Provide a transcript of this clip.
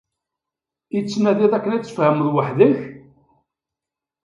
I tnadiḍ akken ad tfehmeḍ weḥd-k?